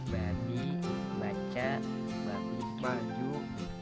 bagi baca bagi maju